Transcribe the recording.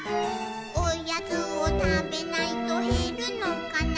「おやつをたべないとへるのかな」